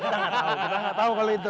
kita nggak tahu kalau itu